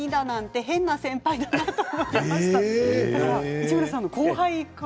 市村さんの後輩から。